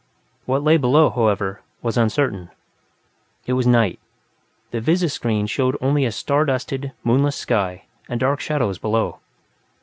What lay below, however, was uncertain. It was night the visi screen showed only a star dusted, moonless sky, and dark shadows below.